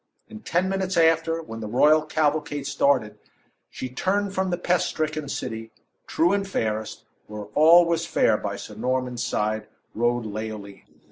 In ten minutes after, when the royal cavalcade started, she turned from the pest stricken city, too and fairest, where all was fair, by Sir Norman's side rode Leoline.